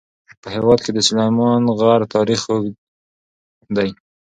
په هېواد کې د سلیمان غر تاریخ اوږد دی.